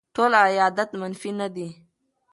ټول عایدات منفي نه دي.